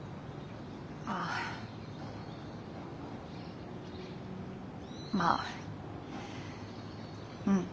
ああまあうん。